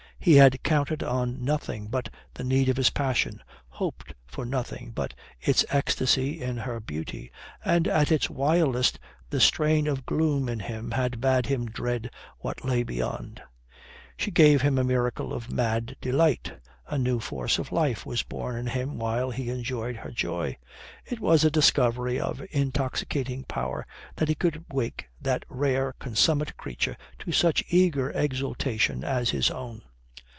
He had counted on nothing but the need of his passion, hoped for nothing but its ecstasy in her beauty, and at its wildest the strain of gloom in him had bade him dread what lay beyond. She gave him a miracle of mad delight. A new force of life was born in him while he enjoyed her joy. It was a discovery of intoxicating power that he could wake that rare, consummate creature to such eager exultation as his own.